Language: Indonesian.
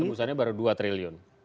tembusannya baru dua triliun